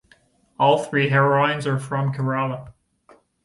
All three heroines are from Kerala.